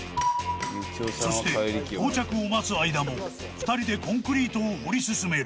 ［そして到着を待つ間も２人でコンクリートを掘り進める］